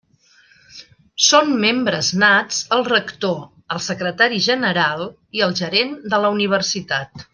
Són membres nats el rector, el secretari general i el gerent de la Universitat.